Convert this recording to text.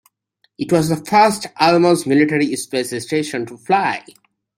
It was the first Almaz military space station to fly.